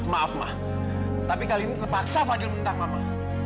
maaf ma tapi kali ini kepaksa fadil nentang mama